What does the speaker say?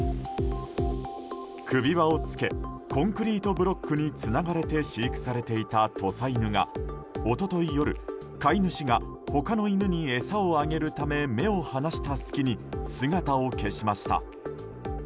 首輪をつけコンクリートブロックにつながれて飼育されていた土佐犬が一昨日夜、飼い主が他の犬に餌をあげるため目を離した隙に姿を消しました。